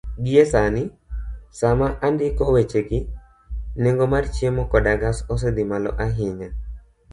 Gie sani, sama andiko wechegi, nengo mar chiemo koda gas osedhi malo ahinya